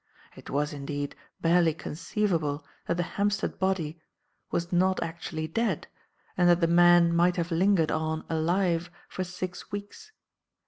It was, indeed barely conceivable that the Hampstead body was not actually dead and that the man might have lingered on alive for six weeks.